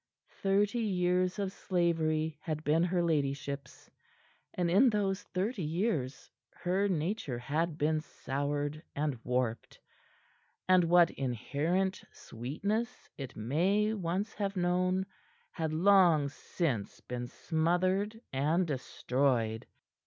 Thirty years of slavery had been her ladyship's, and in those thirty years her nature had been soured and warped, and what inherent sweetness it may once have known had long since been smothered and destroyed.